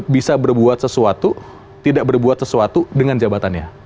bisa berbuat sesuatu tidak berbuat sesuatu dengan jabatannya